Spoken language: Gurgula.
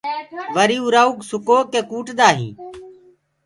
وري اُرآ ڪوُ سُڪو ڪي ڪوُٽدآ هينٚ۔